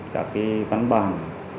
các văn bản